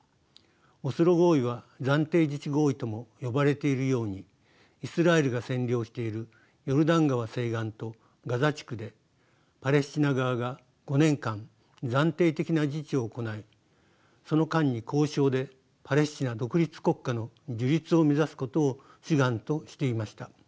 オスロ合意は暫定自治合意とも呼ばれているようにイスラエルが占領しているヨルダン川西岸とガザ地区でパレスチナ側が５年間暫定的な自治を行いその間に交渉でパレスチナ独立国家の樹立を目指すことを主眼としていました。